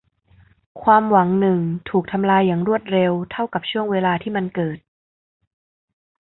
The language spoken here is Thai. ความหวังหนึ่งถูกทำลายอย่างรวดเร็วเท่ากับช่วงเวลาที่มันเกิด